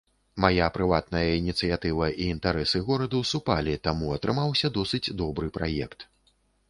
Мая прыватная ініцыятыва і інтарэсы гораду супалі, таму атрымаўся досыць добры праект.